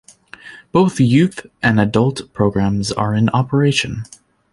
Both youth and adult programs are in operation.